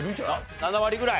７割ぐらい。